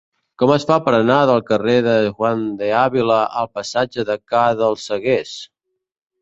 Com es fa per anar del carrer de Juan de Ávila al passatge de Ca dels Seguers?